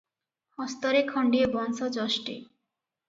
ହସ୍ତରେ ଖଣ୍ଡିଏ ବଂଶଯଷ୍ଟି ।